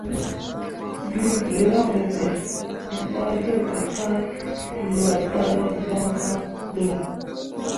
Bii vər yaŋ ɓe be, mo gbah jol ɓe ka lwa daruŋ voŋno də.